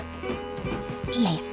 いやいや！